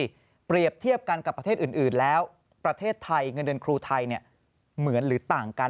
เปรียบเทียบกันกับประเทศอื่นแล้วประเทศไทยเงินเดือนครูไทยเหมือนหรือต่างกัน